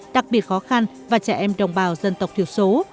đặc biệt khó khăn và trẻ em đồng bào dân tộc thiểu số